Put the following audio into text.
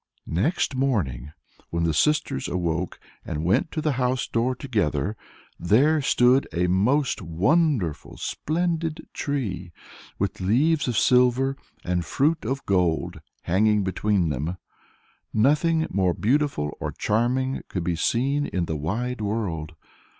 Next morning, when the sisters woke, and went to the house door together, there stood a most wonderful splendid tree, with leaves of silver, and fruit of gold hanging between them. Nothing more beautiful or charming could be seen in the wide world.